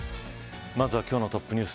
まずは今日のトップニュース。